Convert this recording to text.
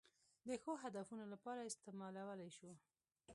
د ښو هدفونو لپاره استعمالولای شو.